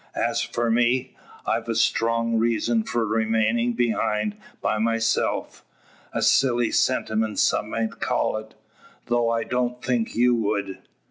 As for me, I've a strong reason for remaining behind by myself; a silly sentiment some might call it, though I don't think you would."